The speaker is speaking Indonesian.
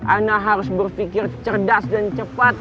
anda harus berpikir cerdas dan cepat